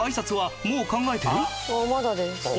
まだです。